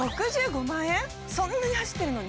そんなに走ってるのに？